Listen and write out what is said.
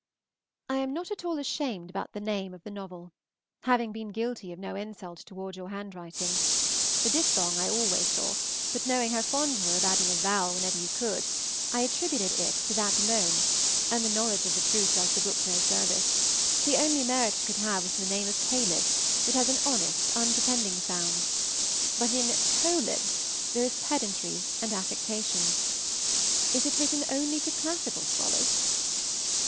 I am not at all ashamed about the name of the novel, having been guilty of no insult toward your handwriting; the diphthong I always saw, but knowing how fond you were of adding a vowel wherever you could, I attributed it to that alone, and the knowledge of the truth does the book no service; the only merit it could have was in the name of Caleb, which has an honest, unpretending sound, but in Coelebs there is pedantry and affectation. Is it written only to classical scholars?